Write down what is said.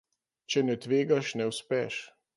Če ne tvegaš, ne uspeš.